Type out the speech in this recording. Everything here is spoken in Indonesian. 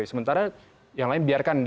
sementara yang lain biarkan